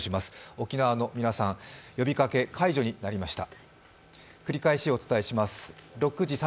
沖縄の皆さん、呼びかけ、解除になりました。